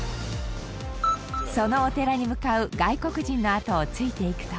そのお寺に向かう外国人のあとをついていくと。